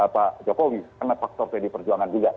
pak jokowi karena faktor pd perjuangan juga